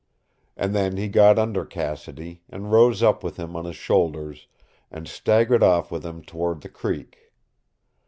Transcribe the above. And then he got under Cassidy, and rose up with him on his shoulders, and staggered off with him toward the creek.